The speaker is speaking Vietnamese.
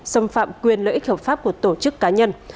xâm phạm quyền lợi ích hợp pháp của tổ chức cá nhân